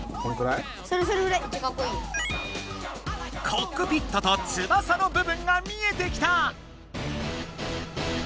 コックピットと翼の部分が見えてきた！